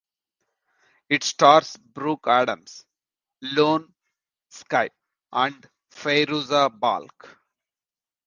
It stars Brooke Adams, Ione Skye, and Fairuza Balk.